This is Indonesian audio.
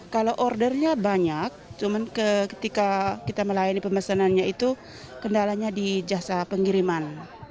kalau ordernya banyak cuman ketika kita melayani pemesanannya itu kendalanya di jasa pengiriman